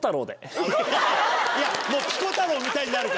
いや。